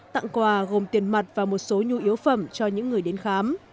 tặng quà gồm tiền mặt và một số nhu yếu phẩm cho những người đến khám